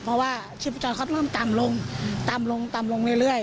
เพราะว่าชีพพระจรเขาเริ่มตามลงตามลงตามลงเรื่อย